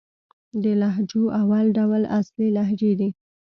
د لهجو اول ډول اصلي لهجې دئ.